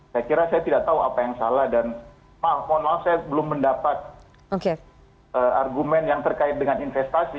saya kira saya tidak tahu apa yang salah dan maaf mohon maaf saya belum mendapat argumen yang terkait dengan investasi